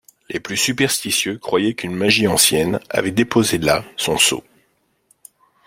Les plus superstitieux croyaient qu’une magie ancienne avait déposé là son sceau.